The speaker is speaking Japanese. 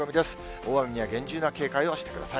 大雨には厳重な警戒をしてください。